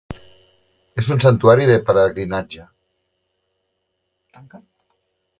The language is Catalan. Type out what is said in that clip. És un santuari de pelegrinatge.